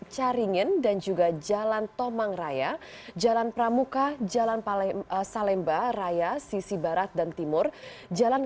caringin dan juga jalan tomang raya jalan pramuka jalan salemba raya sisi barat dan timur jalan